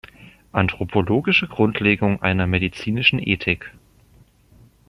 Anthropologische Grundlegung einer medizinischen Ethik"".